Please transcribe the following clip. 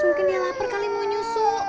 mungkin dia lapar kali mau nyusu